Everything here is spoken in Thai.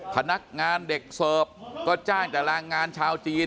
พนักงานเด็กเสิร์ฟก็จ้างแต่แรงงานชาวจีน